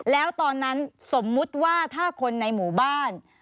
แล้วตอนนั้นสมมุติว่าถ้าคนในหมู่บ้าน